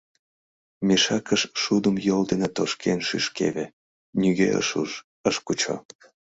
Мешакыш шудым йол дене тошкен шӱшкеве — нигӧ ыш уж, ыш кучо.